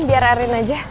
biar arin aja